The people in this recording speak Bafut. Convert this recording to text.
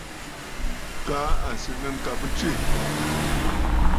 Kaa à sɨ̀ nɨ̂ ŋ̀kabə tswê.